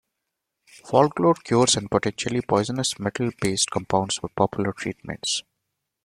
Folklore cures and potentially poisonous metal-based compounds were popular treatments.